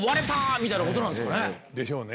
みたいなことなんですかね。でしょうね。